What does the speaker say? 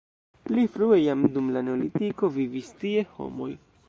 Pli frue jam dum la neolitiko vivis tie homoj.